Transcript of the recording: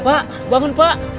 pak bangun pak